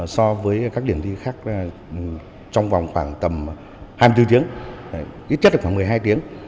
so với các điểm thi khác trong vòng khoảng tầm hai mươi bốn tiếng ít nhất là khoảng một mươi hai tiếng